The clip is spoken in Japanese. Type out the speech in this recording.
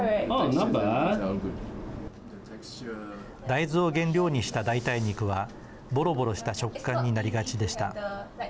大豆を原料にした代替肉はぼろぼろした食感になりがちでした。